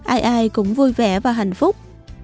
ai ai cũng vui vẻ và hạnh phúc